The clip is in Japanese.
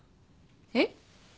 えっ？